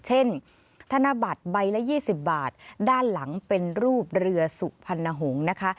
ธนบัตรใบละ๒๐บาทด้านหลังเป็นรูปเรือสุพรรณหงษ์นะคะ